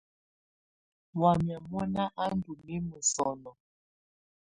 Wamɛ̀́á mɔ̀na á ndù mimǝ́ sɔnɔ̀.